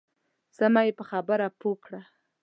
سم یې په خبره پوه کړه.